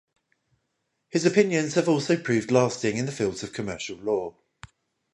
His opinions have also proved lasting in fields of commercial law.